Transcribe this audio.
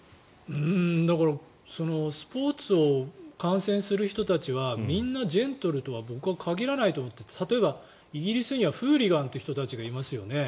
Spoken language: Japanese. だからスポーツを観戦する人たちはみんなジェントルとは僕は限らないと思っていて例えば、イギリスにはフーリガンという人たちがいますよね。